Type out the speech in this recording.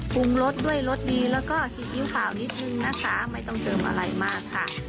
ปรุงรสด้วยรสดีแล้วก็ซีอิ๊วขาวนิดนึงนะคะไม่ต้องเติมอะไรมากค่ะ